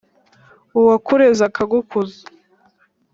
Uwakureze akagukuza